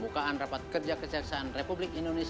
bisa saja terjadi